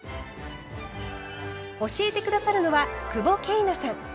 教えて下さるのは久保桂奈さん。